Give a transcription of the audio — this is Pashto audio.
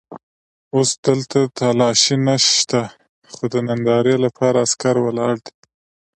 اوس دلته تالاشۍ نشته خو د نندارې لپاره عسکر ولاړ دي.